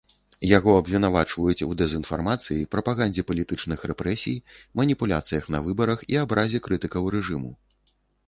Яго абвінавачваюць у дэзінфармацыі, прапагандзе палітычных рэпрэсій, маніпуляцыях на выбарах і абразе крытыкаў рэжыму.